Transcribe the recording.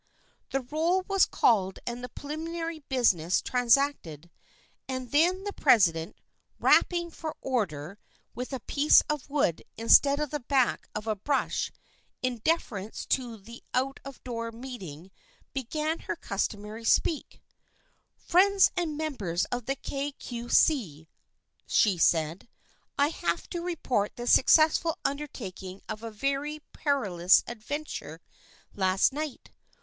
The roll was called and the preliminary business transacted, and then the president, rapping for or der with a piece of wood instead of the back of a brush, in deference to the out of door meeting, be gan her customary speech. " Friends and members of the Kay Cue See," she said, " I have to report the successful under taking of a very perilous adventure last night.